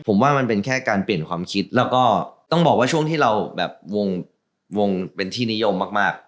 ผมว่ามันเป็นแค่การเปลี่ยนความคิดแล้วก็ต้องบอกว่าช่วงที่เราแบบวงเป็นที่นิยมมาก